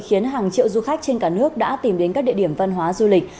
khiến hàng triệu du khách trên cả nước đã tìm đến các địa điểm văn hóa du lịch